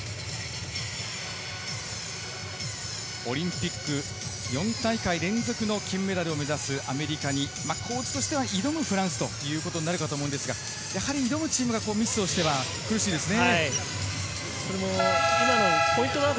オリンピック４大会連続の金メダルを目指すアメリカに挑むフランスということになると思いますが挑むチームがミスをしては苦しいですね。